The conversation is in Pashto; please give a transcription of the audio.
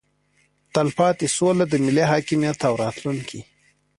تلپاتې سوله د ملي حاکمیت او راتلونکي